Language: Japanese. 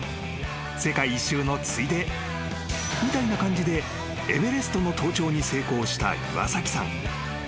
［世界一周のついでみたいな感じでエベレストの登頂に成功した岩崎さん。